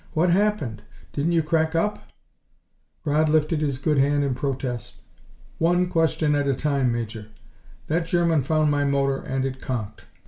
What happened? Didn't you crack up " Rodd lifted his good hand in protest. "One question at a time, Major. That German found my motor and it conked.